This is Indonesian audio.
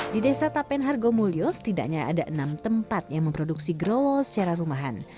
di desa tapen hargomulyo setidaknya ada enam tempat yang memproduksi growol secara rumahan